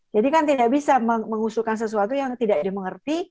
jadi kan tidak bisa mengusulkan sesuatu yang tidak dimengerti